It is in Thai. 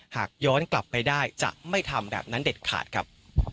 หากย้อนกลับไปได้จะไม่ทำแบบนั้นเด็ดขาดครับ